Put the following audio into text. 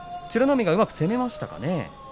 海がうまく攻めましたね。